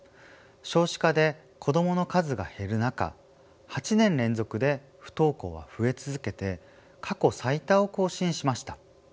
少子化で子どもの数が減る中８年連続で不登校は増え続けて過去最多を更新しました。